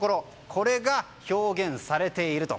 これが表現されていると。